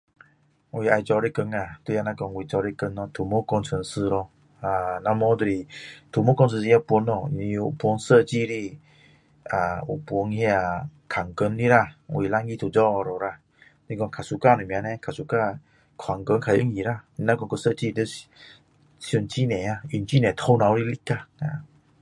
我要做的工呀就是说我要做的工咯土木工程师咯不然就是土木工程师也有分设计的有分那个看工的啦我两个都做了是说比较喜欢什么了比较喜欢那管工比较容易那个设计要想很多要用很多头脑的力呀